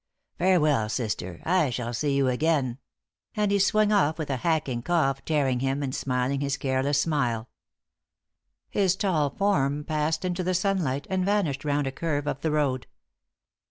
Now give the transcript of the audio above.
Farewell, sister, I shall see you again," and he swung off with a hacking cough tearing him, and smiling his careless smile. His tall form passed into the sunlight and vanished round a curve of the road.